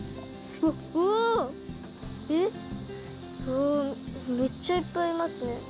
うわめっちゃいっぱいいますね。